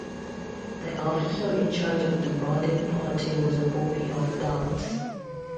The officer in charge of the boarding party was a pupil of Dowds.